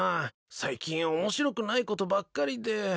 最近面白くないことばっかりで。